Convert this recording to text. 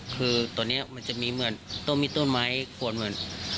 คือตอนนี้มันจะมีเหมือนต้องมีต้นไม้ควรเหมือน